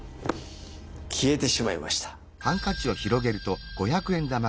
消えてしまいました。